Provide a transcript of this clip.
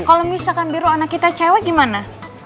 kalau misalkan biru anak kita cewek gimana